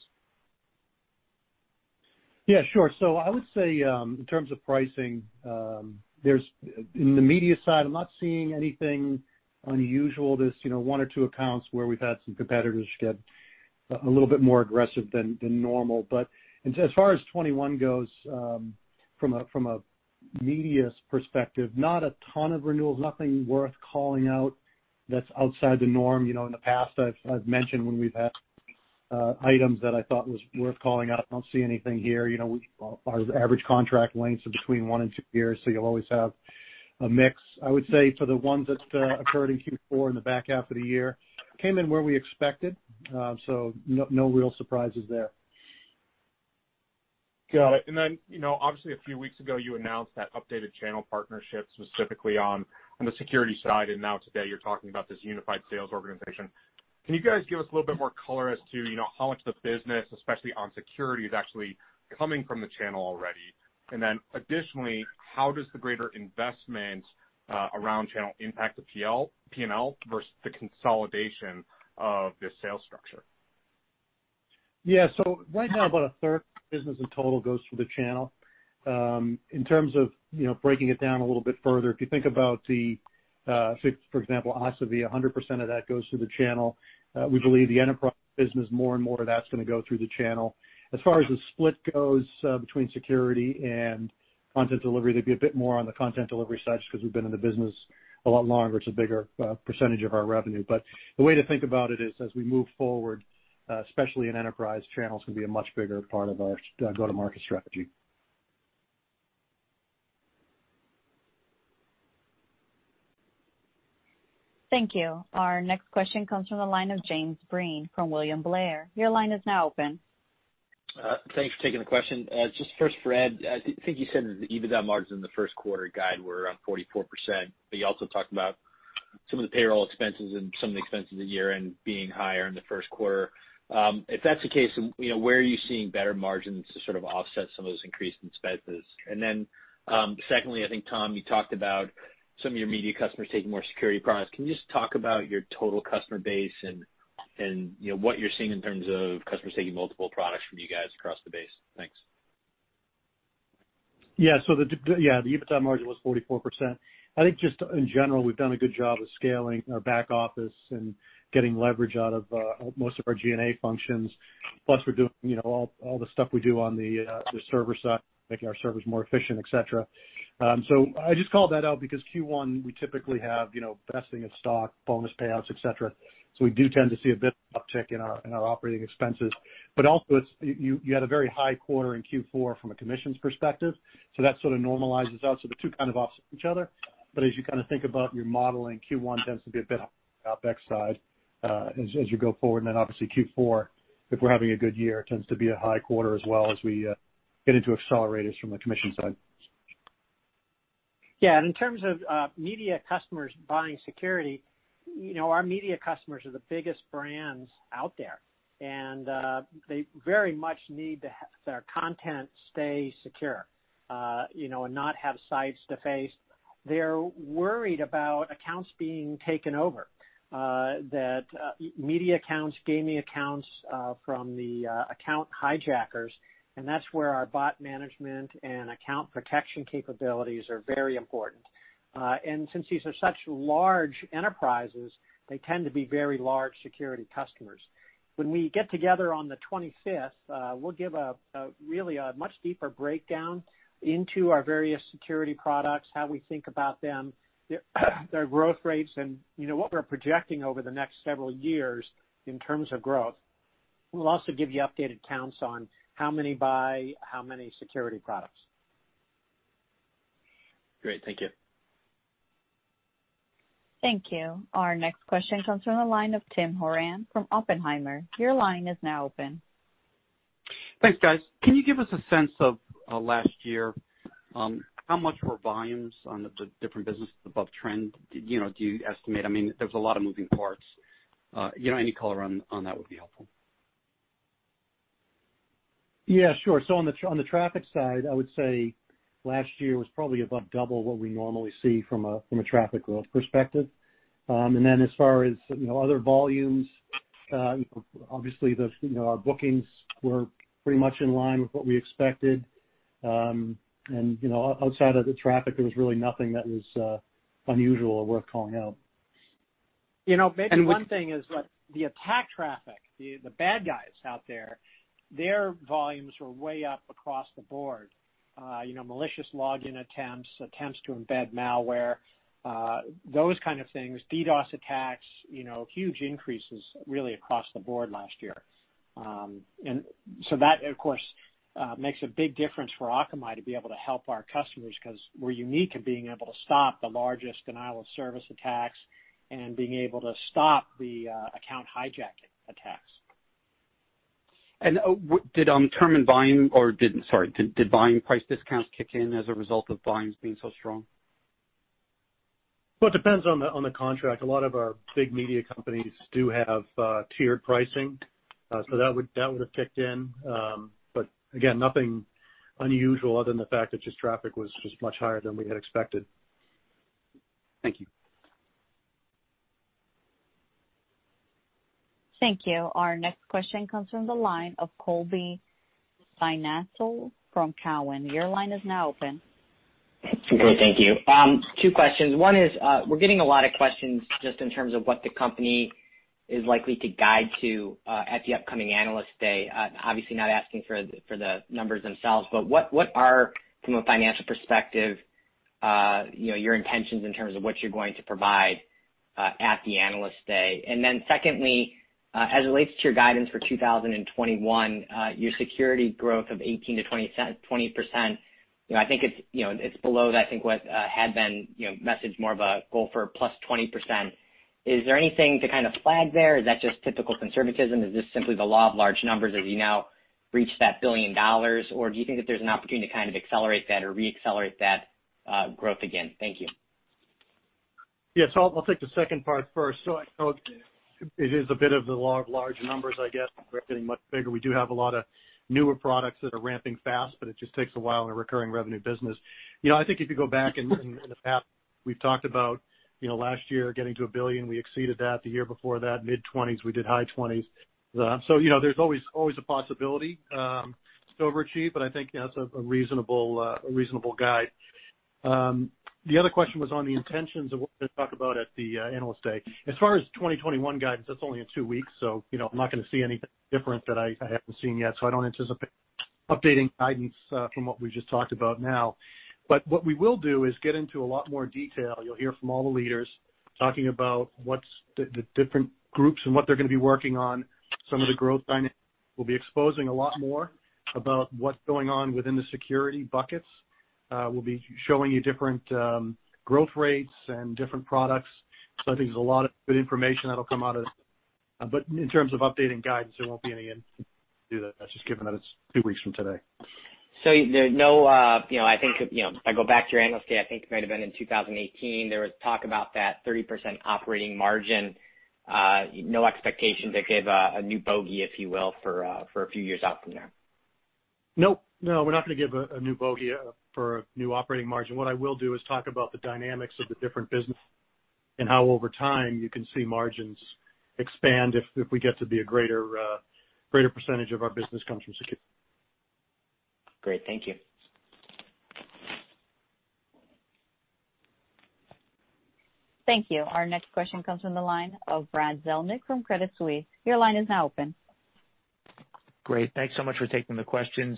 Yeah, sure. I would say, in terms of pricing, in the media side, I'm not seeing anything unusual. There's one or two accounts where we've had some competitors get a little bit more aggressive than normal. As far as 2021 goes, from a media perspective, not a ton of renewals, nothing worth calling out that's outside the norm. In the past, I've mentioned when we've had items that I thought was worth calling out. I don't see anything here. Our average contract lengths are between one and two years, so you'll always have a mix. I would say for the ones that occurred in Q4, in the back half of the year, came in where we expected. No real surprises there. Got it. Obviously a few weeks ago, you announced that updated channel partnership specifically on the security side, and now today you're talking about this unified sales organization. Can you guys give us a little bit more color as to how much of the business, especially on security, is actually coming from the channel already? Additionally, how does the greater investment around channel impact the P&L versus the consolidation of this sales structure? Yeah. Right now, about 1/3 of business in total goes through the channel. In terms of breaking it down a little bit further, if you think about, for example, Asavie, 100% of that goes through the channel. We believe the enterprise business, more and more of that's going to go through the channel. As far as the split goes between security and content delivery, there'd be a bit more on the content delivery side just because we've been in the business a lot longer. It's a bigger percentage of our revenue. The way to think about it is, as we move forward, especially in enterprise, channels can be a much bigger part of our go-to-market strategy. Thank you. Our next question comes from the line of James Breen from William Blair. Your line is now open. Thanks for taking the question. Ed, I think you said the EBITDA margins in the first quarter guide were around 44%, but you also talked about some of the payroll expenses and some of the expenses at year-end being higher in the first quarter. If that's the case, where are you seeing better margins to sort of offset some of those increased expenses? Secondly, I think, Tom, you talked about some of your media customers taking more security products. Can you just talk about your total customer base and what you're seeing in terms of customers taking multiple products from you guys across the base? Thanks. Yeah. The EBITDA margin was 44%. I think just in general, we've done a good job of scaling our back office and getting leverage out of most of our G&A functions. We're doing all the stuff we do on the server side, making our servers more efficient, et cetera. I just called that out because Q1, we typically have vesting of stock, bonus payouts, et cetera. We do tend to see a bit of uptick in our operating expenses. Also, you had a very high quarter in Q4 from a commissions perspective, that sort of normalizes out. The two kind of offset each other. As you kind of think about your modeling, Q1 tends to be a bit up the OpEx side as you go forward. Obviously Q4, if we're having a good year, tends to be a high quarter as well as we get into accelerators from the commission side. In terms of media customers buying security, our media customers are the biggest brands out there, and they very much need to have their content stay secure, and not have sites defaced. They're worried about accounts being taken over, that media accounts, gaming accounts from the account hijackers, and that's where our Bot management and account protection capabilities are very important. Since these are such large enterprises, they tend to be very large security customers. When we get together on the 25th, we'll give really a much deeper breakdown into our various security products, how we think about them, their growth rates, and what we're projecting over the next several years in terms of growth. We'll also give you updated counts on how many buy how many security products. Great. Thank you. Thank you. Our next question comes from the line of Tim Horan from Oppenheimer. Your line is now open. Thanks, guys. Can you give us a sense of last year? How much were volumes on the different businesses above trend? Do you estimate? There's a lot of moving parts. Any color on that would be helpful. Yeah, sure. On the traffic side, I would say last year was probably about double what we normally see from a traffic growth perspective. Then as far as other volumes, obviously our bookings were pretty much in line with what we expected. Outside of the traffic, there was really nothing that was unusual or worth calling out. Maybe one thing is the attack traffic, the bad guys out there, their volumes were way up across the board. Malicious login attempts to embed malware, those kind of things, DDoS attacks, huge increases really across the board last year. So that, of course, makes a big difference for Akamai to be able to help our customers, because we're unique in being able to stop the largest denial-of-service attacks and being able to stop the account hijacking attacks. Sorry, did volume price discounts kick in as a result of volumes being so strong? Well, it depends on the contract. A lot of our big media companies do have tiered pricing. That would've kicked in. Again, nothing unusual other than the fact that traffic was just much higher than we had expected. Thank you. Thank you. Our next question comes from the line of Colby Synesael from Cowen. Your line is now open. Great. Thank you. Two questions. One is, we're getting a lot of questions just in terms of what the company is likely to guide to at the upcoming Analyst Day. Obviously not asking for the numbers themselves, but what are, from a financial perspective, your intentions in terms of what you're going to provide at the Analyst Day? Secondly, as it relates to your guidance for 2021, your security growth of 18%-20%, I think it's below what had been messaged more of a goal for +20%. Is there anything to kind of flag there? Is that just typical conservatism? Is this simply the law of large numbers as you now reach that $1 billion, or do you think that there's an opportunity to kind of accelerate that or re-accelerate that growth again? Thank you. Yeah. I'll take the second part first. I know it is a bit of the law of large numbers, I guess. We're getting much bigger. We do have a lot of newer products that are ramping fast, but it just takes a while in a recurring revenue business. I think if you go back in the past, we've talked about last year getting to $1 billion. We exceeded that. The year before that, mid-20s. We did high 20s. There's always a possibility it's overachieved, but I think that's a reasonable guide. The other question was on the intentions of what to talk about at the Analyst Day. As far as 2021 guidance, that's only in two weeks, I'm not going to see anything different that I haven't seen yet. I don't anticipate updating guidance from what we just talked about now. What we will do is get into a lot more detail. You'll hear from all the leaders talking about the different groups and what they're going to be working on, some of the growth dynamics. We'll be exposing a lot more about what's going on within the security buckets. We'll be showing you different growth rates and different products. I think there's a lot of good information that'll come out of it. In terms of updating guidance, there won't be any do that. That's just given that it's two weeks from today. I think, if I go back to your Analyst Day, I think it might've been in 2018, there was talk about that 30% operating margin. No expectation to give a new bogey, if you will, for a few years out from now? Nope. No, we're not going to give a new bogey for new operating margin. What I will do is talk about the dynamics of the different business, and how over time you can see margins expand if we get to be a greater percentage of our business comes from security. Great. Thank you. Thank you. Our next question comes from the line of Brad Zelnick from Credit Suisse. Your line is now open. Great. Thanks so much for taking the questions.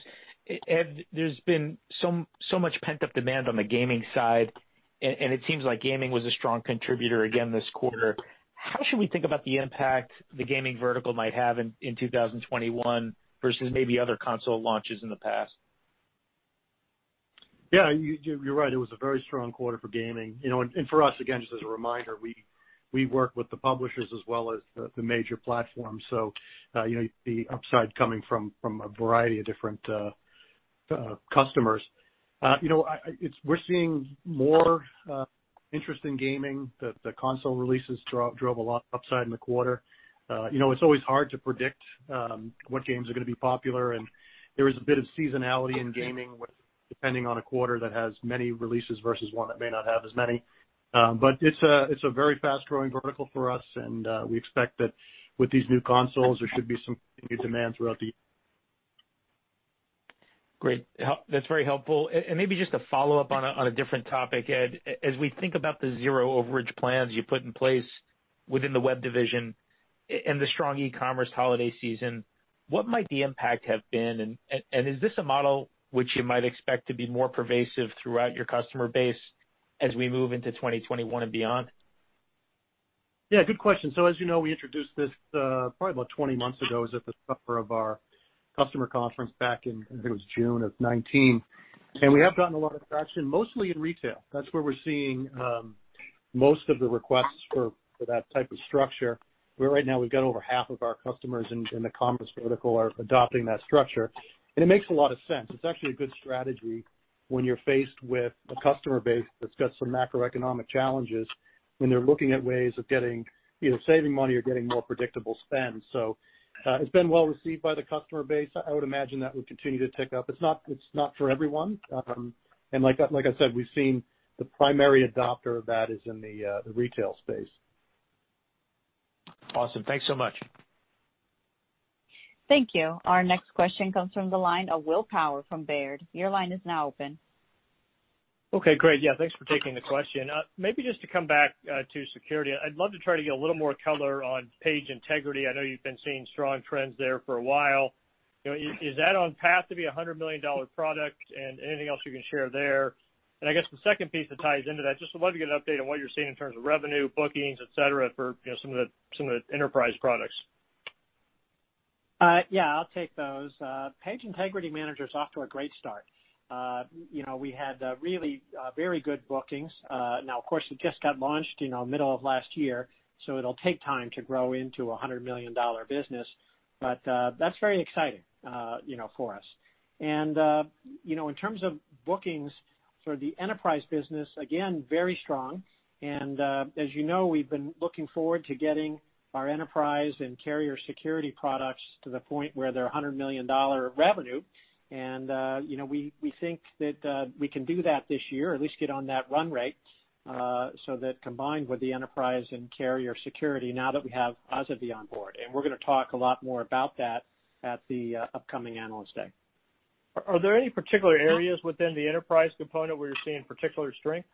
Ed, there's been so much pent-up demand on the gaming side, and it seems like gaming was a strong contributor again this quarter. How should we think about the impact the gaming vertical might have in 2021 versus maybe other console launches in the past? Yeah, you're right. It was a very strong quarter for gaming. For us, again, just as a reminder, we work with the publishers as well as the major platforms, so the upside coming from a variety of different customers. We're seeing more interest in gaming. The console releases drove a lot upside in the quarter. It's always hard to predict what games are going to be popular, and there is a bit of seasonality in gaming with depending on a quarter that has many releases versus one that may not have as many. It's a very fast-growing vertical for us, and we expect that with these new consoles, there should be some continued demand throughout the year. Great. That's very helpful. Maybe just a follow-up on a different topic, Ed. As we think about the zero overage plans you put in place within the Web Division and the strong e-commerce holiday season, what might the impact have been, and is this a model which you might expect to be more pervasive throughout your customer base as we move into 2021 and beyond? Yeah, good question. As you know, we introduced this probably about 20 months ago. It was at the summit of our customer conference back in, I think it was June of 2019. We have gotten a lot of traction, mostly in retail. That's where we're seeing. Most of the requests for that type of structure, where right now we've got over half of our customers in the commerce vertical are adopting that structure. It makes a lot of sense. It's actually a good strategy when you're faced with a customer base that's got some macroeconomic challenges when they're looking at ways of getting either saving money or getting more predictable spend. It's been well-received by the customer base. I would imagine that would continue to tick up. It's not for everyone. Like I said, we've seen the primary adopter of that is in the retail space. Awesome. Thanks so much. Thank you. Our next question comes from the line of Will Power from Baird. Your line is now open. Okay, great. Yeah, thanks for taking the question. Maybe just to come back to security, I'd love to try to get a little more color on Page Integrity. I know you've been seeing strong trends there for a while. Is that on path to be a $100 million product? Anything else you can share there? I guess the second piece that ties into that, just would love to get an update on what you're seeing in terms of revenue, bookings, et cetera, for some of the enterprise products. Yeah, I'll take those. Page Integrity Manager is off to a great start. We had really very good bookings. Of course, it just got launched middle of last year, so it'll take time to grow into a $100 million business. That's very exciting for us. In terms of bookings for the enterprise business, again, very strong, and as you know, we've been looking forward to getting our enterprise and carrier security products to the point where they're $100 million revenue. We think that we can do that this year, at least get on that run rate, that combined with the enterprise and carrier security, now that we have Asavie on board, and we're going to talk a lot more about that at the upcoming Analyst Day. Are there any particular areas within the enterprise component where you're seeing particular strength?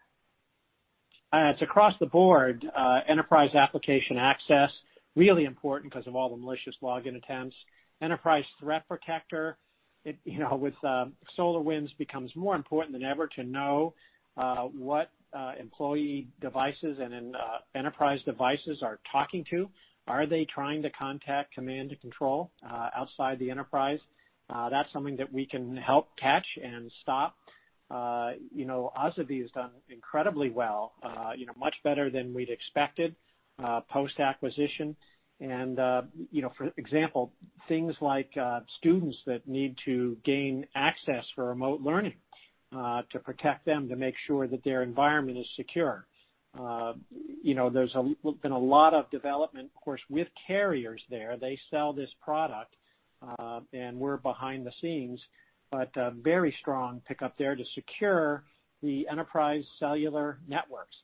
It's across the board. Enterprise Application Access, really important because of all the malicious login attempts. Enterprise Threat Protector, with SolarWinds becomes more important than ever to know what employee devices and enterprise devices are talking to. Are they trying to contact command and control outside the enterprise? That's something that we can help catch and stop. Asavie has done incredibly well, much better than we'd expected post-acquisition. For example, things like students that need to gain access for remote learning, to protect them, to make sure that their environment is secure. There's been a lot of development, of course, with carriers there. They sell this product, we're behind the scenes, very strong pickup there to secure the enterprise cellular networks.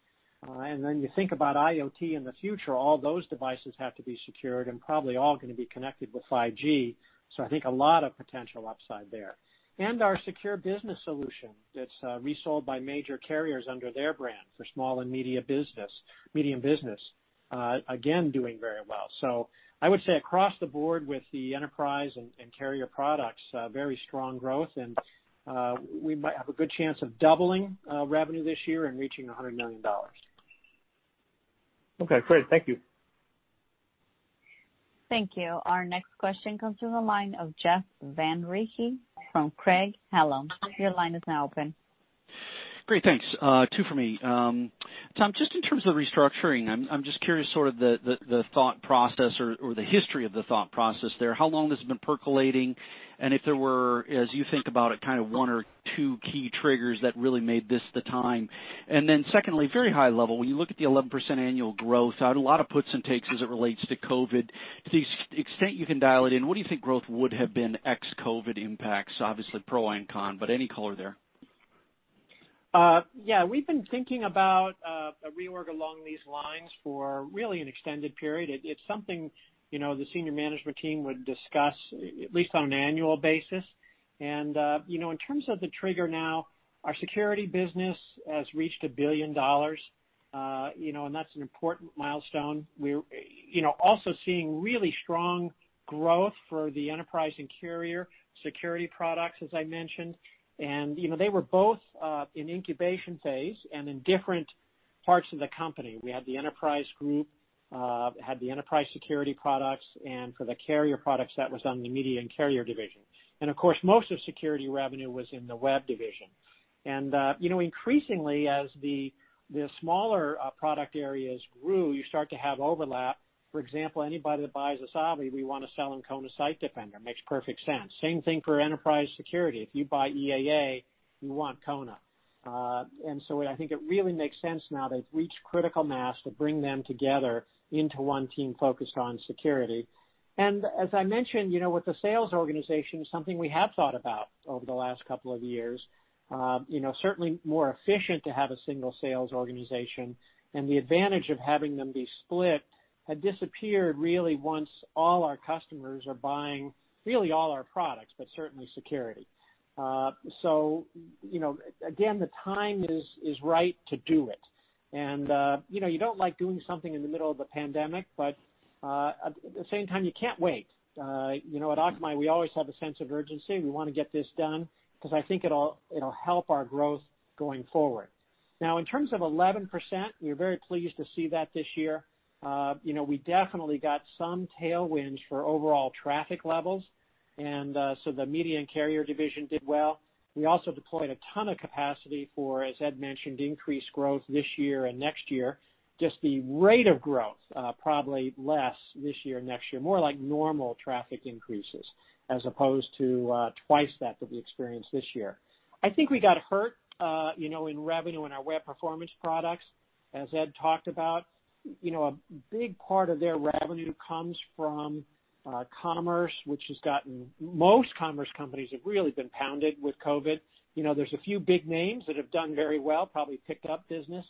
Then you think about IoT in the future, all those devices have to be secured and probably all going to be connected with 5G. I think a lot of potential upside there. Our secure business solution that's resold by major carriers under their brand for small and medium business, again, doing very well. I would say across the board with the enterprise and carrier products, very strong growth, and we might have a good chance of doubling revenue this year and reaching $100 million. Okay, great. Thank you. Thank you. Our next question comes through the line of Jeff Van Rhee from Craig-Hallum. Your line is now open. Great, thanks. Two for me. Tom, just in terms of restructuring, I'm just curious sort of the thought process or the history of the thought process there. How long has this been percolating? If there were, as you think about it, kind of one or two key triggers that really made this the time? Secondly, very high level, when you look at the 11% annual growth, I had a lot of puts and takes as it relates to COVID. To the extent you can dial it in, what do you think growth would have been ex-COVID impacts? Obviously pro and con, any color there. Yeah. We've been thinking about a reorg along these lines for really an extended period. It's something the senior management team would discuss at least on an annual basis. In terms of the trigger now, our security business has reached $1 billion, and that's an important milestone. We're also seeing really strong growth for the enterprise and carrier security products, as I mentioned. They were both in incubation phase and in different parts of the company. We had the enterprise group, had the enterprise security products, and for the carrier products, that was on the Media and carrier division. Of course, most of security revenue was in the Web Division. Increasingly, as the smaller product areas grew, you start to have overlap. For example, anybody that buys Asavie, we want to sell them Kona Site Defender. Makes perfect sense. Same thing for enterprise security. If you buy EAA, you want Kona. I think it really makes sense now they've reached critical mass to bring them together into one team focused on security. as I mentioned, with the sales organization, something we have thought about over the last couple of years, certainly more efficient to have a single sales organization, and the advantage of having them be split had disappeared really once all our customers are buying really all our products, but certainly security. again, the time is right to do it. you don't like doing something in the middle of a pandemic, but at the same time, you can't wait. At Akamai, we always have a sense of urgency. We want to get this done because I think it'll help our growth going forward. in terms of 11%, we were very pleased to see that this year. We definitely got some tailwinds for overall traffic levels, the Media and Carrier Division did well. We also deployed a ton of capacity for, as Ed mentioned, increased growth this year and next year. Just the rate of growth, probably less this year and next year. More like normal traffic increases as opposed to twice that we experienced this year. I think we got hurt in revenue in our web performance products. As Ed talked about, a big part of their revenue comes from commerce, which most commerce companies have really been pounded with COVID. There's a few big names that have done very well, probably picked up business.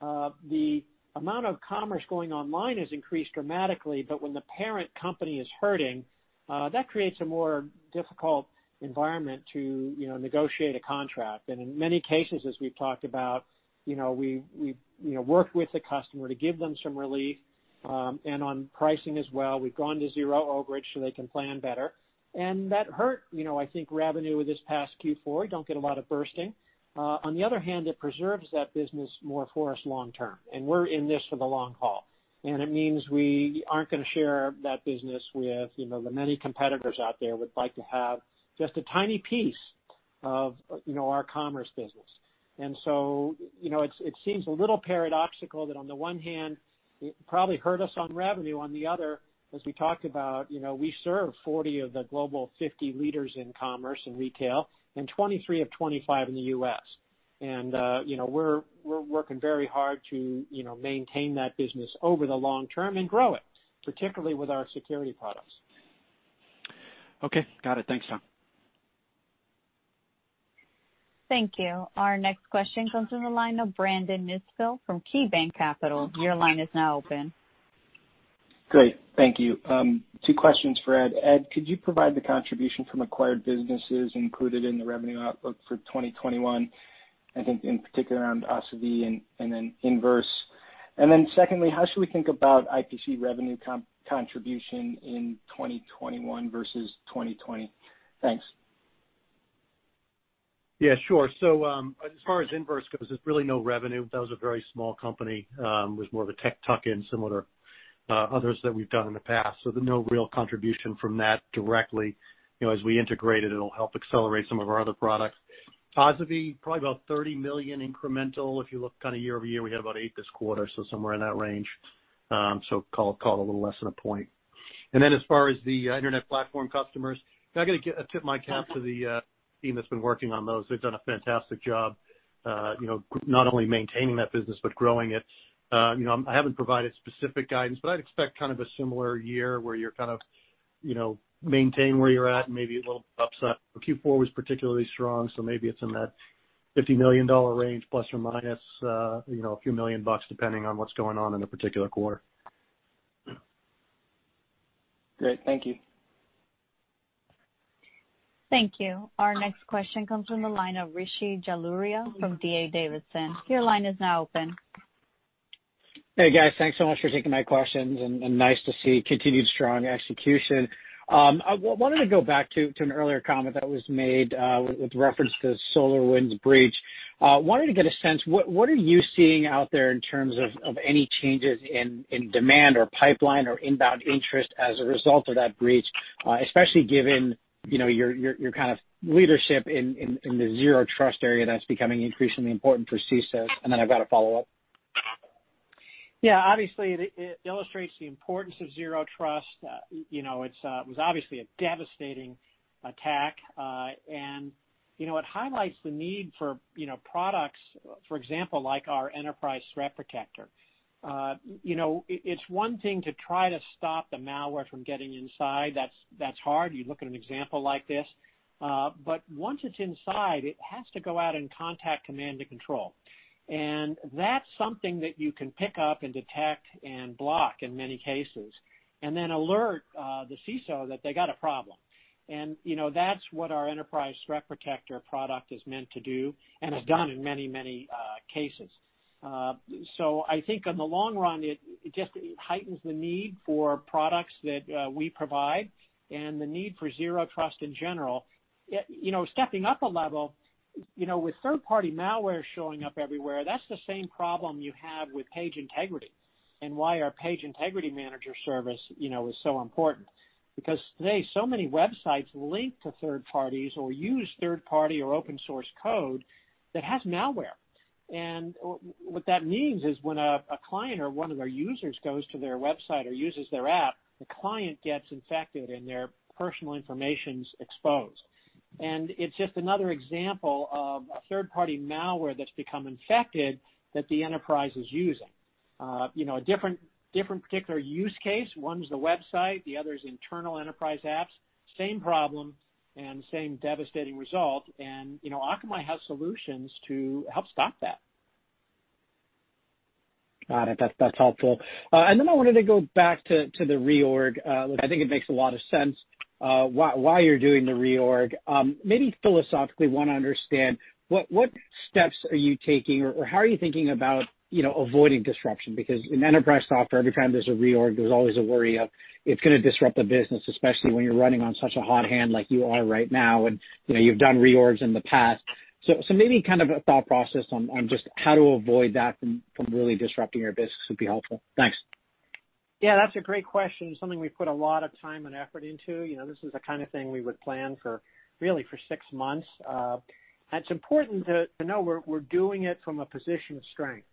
The amount of commerce going online has increased dramatically, but when the parent company is hurting, that creates a more difficult environment to negotiate a contract. In many cases, as we've talked about, we've worked with the customer to give them some relief, and on pricing as well. We've gone to zero overage so they can plan better. That hurt, I think revenue this past Q4. You don't get a lot of bursting. On the other hand, it preserves that business more for us long term. We're in this for the long haul, and it means we aren't going to share that business with the many competitors out there who would like to have just a tiny piece of our commerce business. It seems a little paradoxical that on the one hand, it probably hurt us on revenue, on the other, as we talked about, we serve 40 of the global 50 leaders in commerce and retail, and 23 of 25 in the U.S. We're working very hard to maintain that business over the long term and grow it, particularly with our security products. Okay. Got it. Thanks, Tom. Thank you. Our next question comes from the line of Brandon Nispel from KeyBanc Capital. Your line is now open. Great. Thank you. Two questions for Ed. Ed, could you provide the contribution from acquired businesses included in the revenue outlook for 2021? I think in particular around Asavie and then Inverse. Secondly, how should we think about IPC revenue contribution in 2021 versus 2020? Thanks. Yeah, sure. As far as Inverse goes, there's really no revenue. That was a very small company. It was more of a tech tuck-in, similar to others that we've done in the past. No real contribution from that directly. As we integrate it'll help accelerate some of our other products. Asavie, probably about $30 million incremental. If you look year-over-year, we had about $8 million this quarter, so somewhere in that range. Call it a little less than a point. As far as the internet platform customers, I've got to tip my cap to the team that's been working on those. They've done a fantastic job, not only maintaining that business, but growing it. I haven't provided specific guidance, but I'd expect kind of a similar year where you kind of maintain where you're at and maybe a little upside. Q4 was particularly strong, so maybe it's in that $50 million range, plus or minus a few million bucks, depending on what's going on in a particular quarter. Great. Thank you. Thank you. Our next question comes from the line of Rishi Jaluria from D.A. Davidson. Your line is now open. Hey, guys. Thanks so much for taking my questions. Nice to see continued strong execution. I wanted to go back to an earlier comment that was made, with reference to SolarWinds breach. Wanted to get a sense, what are you seeing out there in terms of any changes in demand or pipeline or inbound interest as a result of that breach, especially given your kind of leadership in the zero trust area that's becoming increasingly important for CISO? Then I've got a follow-up. Yeah, obviously, it illustrates the importance of zero trust. It was obviously a devastating attack, and it highlights the need for products, for example, like our Enterprise Threat Protector. It's one thing to try to stop the malware from getting inside. That's hard. You look at an example like this. Once it's inside, it has to go out and contact command and control. That's something that you can pick up and detect and block in many cases, and then alert the CISO that they got a problem. That's what our Enterprise Threat Protector product is meant to do and has done in many cases. I think in the long run, it just heightens the need for products that we provide and the need for zero trust in general. Stepping up a level, with third-party malware showing up everywhere, that's the same problem you have with page integrity and why our Page Integrity Manager service is so important. Today, so many websites link to third parties or use third party or open source code that has malware. What that means is when a client or one of their users goes to their website or uses their app, the client gets infected, and their personal information's exposed. It's just another example of a third-party malware that's become infected that the enterprise is using. A different particular use case. One's the website, the other is internal enterprise apps. Same problem and same devastating result. Akamai has solutions to help stop that. Got it. That's helpful. I wanted to go back to the reorg. Look, I think it makes a lot of sense why you're doing the reorg. Maybe philosophically, I want to understand what steps are you taking or how are you thinking about avoiding disruption? In enterprise software, every time there's a reorg, there's always a worry of it's going to disrupt the business, especially when you're running on such a hot hand like you are right now, and you've done reorgs in the past. Maybe kind of a thought process on just how to avoid that from really disrupting your business would be helpful. Thanks. Yeah, that's a great question. Something we put a lot of time and effort into. This is the kind of thing we would plan for really for six months. It's important to know we're doing it from a position of strength.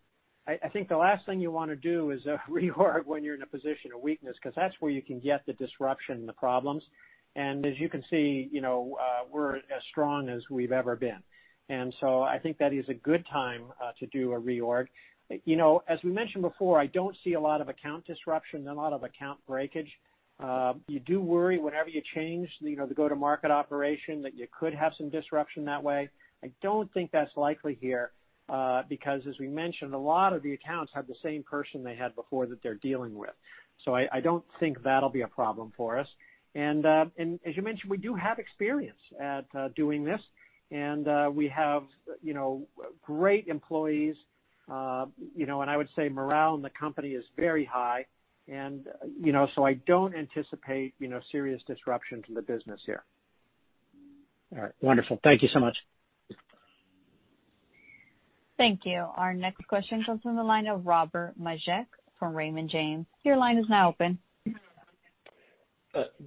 I think the last thing you want to do is a reorg when you're in a position of weakness, because that's where you can get the disruption and the problems. As you can see, we're as strong as we've ever been. I think that is a good time to do a reorg. As we mentioned before, I don't see a lot of account disruption, a lot of account breakage. You do worry whenever you change, the go-to-market operation, that you could have some disruption that way. I don't think that's likely here, because as we mentioned, a lot of the accounts have the same person they had before that they're dealing with. I don't think that'll be a problem for us. As you mentioned, we do have experience at doing this. We have great employees, and I would say morale in the company is very high. I don't anticipate serious disruption to the business here. All right. Wonderful. Thank you so much. Thank you. Our next question comes from the line of Robert Majek from Raymond James. Your line is now open.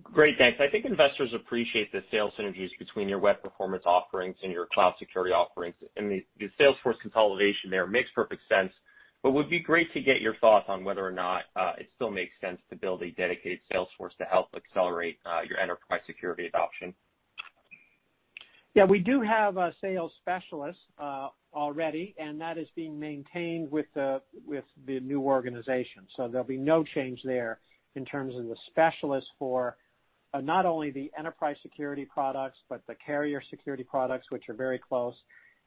Great. Thanks. I think investors appreciate the sales synergies between your web performance offerings and your cloud security offerings, and the sales force consolidation there makes perfect sense, but would be great to get your thoughts on whether or not it still makes sense to build a dedicated sales force to help accelerate your enterprise security adoption. We do have sales specialists already, and that is being maintained with the new organization. There'll be no change there in terms of the specialists for not only the enterprise security products, but the carrier security products, which are very close.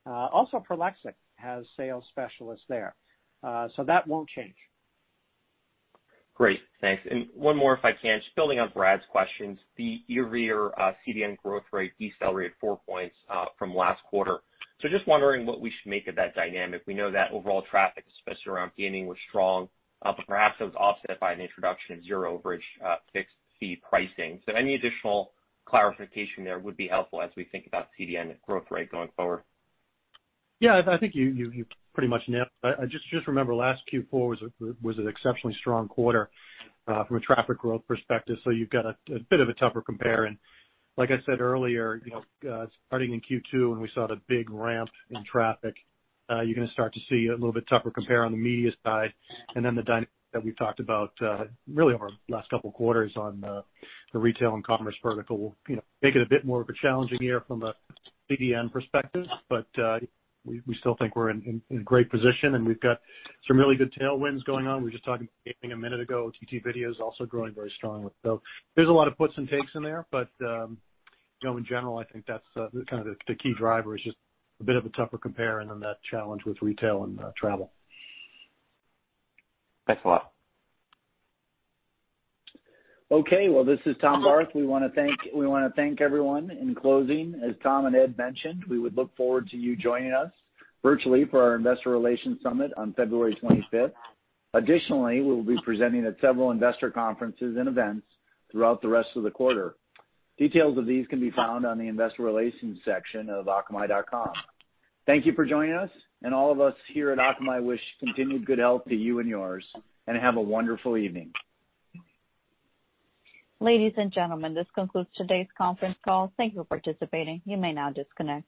Prolexic has sales specialists there. That won't change. Great, thanks. One more, if I can, just building on Brad's questions. The year-over-year CDN growth rate decelerated 4 points from last quarter. Just wondering what we should make of that dynamic. We know that overall traffic, especially around gaming, was strong. Perhaps it was offset by an introduction of zero overage fixed-fee pricing. Any additional clarification there would be helpful as we think about CDN growth rate going forward. Yeah, I think you pretty much nailed it. Just remember last Q4 was an exceptionally strong quarter from a traffic growth perspective. You've got a bit of a tougher compare. Like I said earlier, starting in Q2 when we saw the big ramp in traffic, you're going to start to see a little bit tougher compare on the media side. The dynamic that we've talked about really over the last couple of quarters on the retail and commerce vertical will make it a bit more of a challenging year from a CDN perspective. We still think we're in a great position, and we've got some really good tailwinds going on. We were just talking gaming a minute ago. OTT video is also growing very strongly. There's a lot of puts and takes in there, but in general, I think that's kind of the key driver is just a bit of a tougher compare and then that challenge with retail and travel. Thanks a lot. This is Tom Barth. We want to thank everyone. In closing, as Tom and Ed mentioned, we would look forward to you joining us virtually for our Investor Relations Summit on February 25th. We will be presenting at several investor conferences and events throughout the rest of the quarter. Details of these can be found on the investor relations section of akamai.com. Thank you for joining us. All of us here at Akamai wish continued good health to you and yours, have a wonderful evening. Ladies and gentlemen, this concludes today's conference call. Thank you for participating. You may now disconnect.